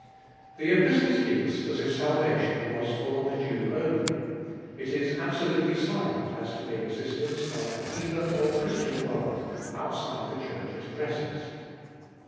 The Epistle speaks 20 ftbe Iboliest of ail as if salvation was for the Jew only : it is absolutely silent as to the existence of a heathen or Christian world outside the Church it addresses.